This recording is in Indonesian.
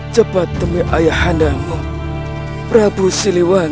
jika tidak mampu serbun